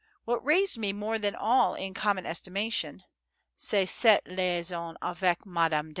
What raised me more than all in common estimation, c'est cette liaison avec Madame D.